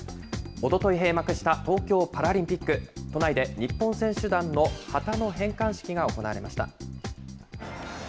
おととい閉幕した東京パラリンピック、都内で日本選手団の旗の返還式が行われました。